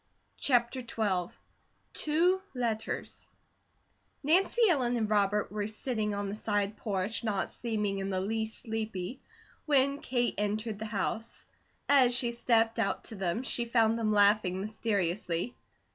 CHAPTER XII TWO LETTERS NANCY ELLEN and Robert were sitting on the side porch, not seeming in the least sleepy, when Kate entered the house. As she stepped out to them, she found them laughing mysteriously.